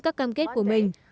các cam kết của mình